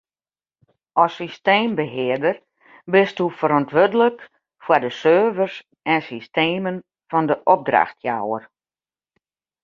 As systeembehearder bisto ferantwurdlik foar de servers en systemen fan de opdrachtjouwer.